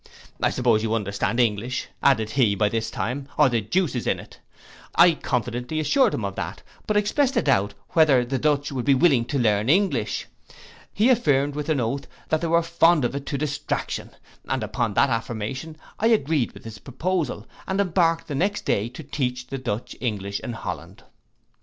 I suppose you understand English, added he, by this time, or the deuce is in it. I confidently assured him of that; but expressed a doubt whether the Dutch would be willing to learn English. He affirmed with an oath that they were fond of it to distraction; and upon that affirmation I agreed with his proposal, and embarked the next day to teach the Dutch English in Holland.